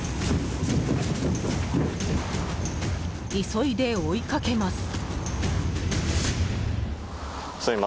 急いで追いかけます！